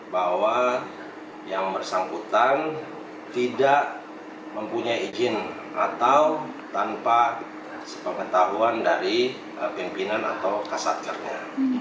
bahwa yang bersangkutan tidak mempunyai izin atau tanpa sepengetahuan dari pimpinan atau kasatkarnya